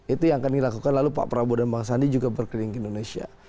itu yang kami lakukan lalu pak prabowo dan bang sandi juga berkeliling ke indonesia